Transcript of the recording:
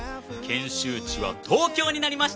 研修地は東京になりました！